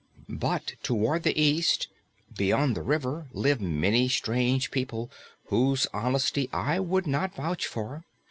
But toward the east, beyond the river, live many strange people whose honesty I would not vouch for.